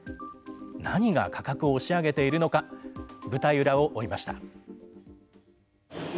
何が価格を押し上げているのか舞台裏を追いました。